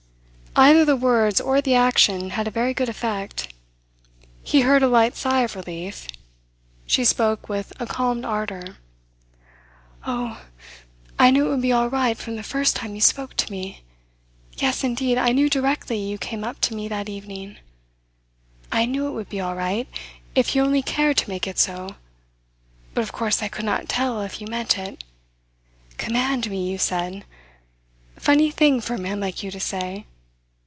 Either the words or the action had a very good effect. He heard a light sigh of relief. She spoke with a calmed ardour. "Oh, I knew it would be all right from the first time you spoke to me! Yes, indeed, I knew directly you came up to me that evening. I knew it would be all right, if you only cared to make it so; but of course I could not tell if you meant it. 'Command me,' you said. Funny thing for a man like you to say.